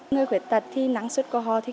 người khuyết tật thì năng suất của họ rất nhiều